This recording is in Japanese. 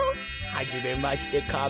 はじめましてカメ。